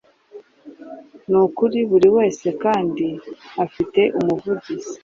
Nukuri buriwese Kandi afite umuvugizi